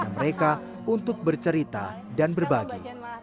dan beri kemampuan kepada mereka untuk bercerita dan berbagi